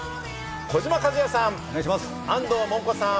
児嶋一哉さん、安藤桃子さん。